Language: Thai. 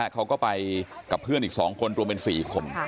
เขาก็ไปกับเพื่อนอีก๒คนรวมเป็น๔คน